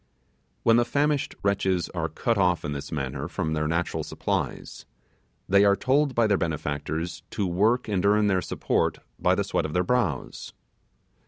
When the famished wretches are cut off in this manner from their natural supplies, they are told by their benefactors to work and earn their support by the sweat of their brows!